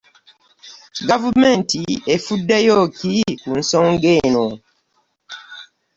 Gavumenti efuddeyo ki ku nsonga eno?